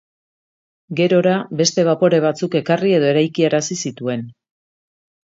Gerora, beste bapore batzuk ekarri edo eraikiarazi zituen.